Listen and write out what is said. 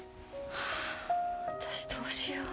私どうしよう。